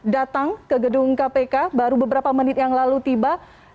datang ke gedung kpk baru beberapa menit yang lalu tiba